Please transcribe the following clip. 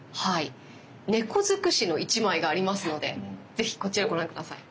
猫尽くしの一枚がありますので是非こちらご覧下さい。